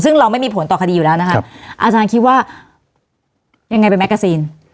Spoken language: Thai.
ซึ่งเราไม่มีผลต่อคดีอยู่แล้วนะครับอาจารย์คิดว่ายังไงเป็นแกซีน